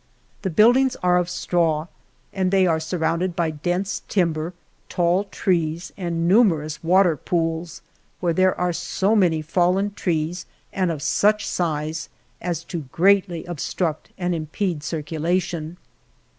The buildings are of straw, and they are surrounded by dense timber, tall trees and numerous water pools, where there were so many fallen trees and of such size as to greatly obstruct and im pede circulation.